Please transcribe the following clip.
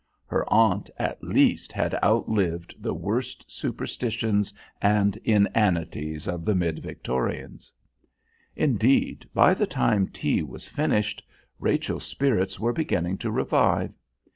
Her aunt, at least, had outlived the worst superstitions and inanities of the mid Victorians. Indeed, by the time tea was finished Rachel's spirits were beginning to revive.